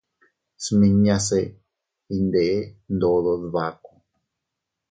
Smiñase iyndeʼe ndodo dbaku.